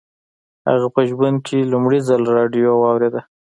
هغه په ژوند کې لومړي ځل راډيو واورېده.